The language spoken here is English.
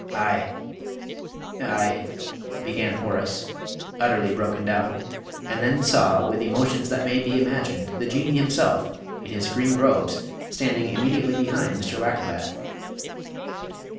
"I I " began Horace, utterly broken down; and then he saw, with emotions that may be imagined, the Jinnee himself, in his green robes, standing immediately behind Mr. Wackerbath.